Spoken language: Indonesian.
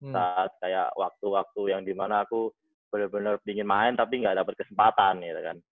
saat kayak waktu waktu yang dimana aku bener bener ingin main tapi nggak dapet kesempatan gitu kan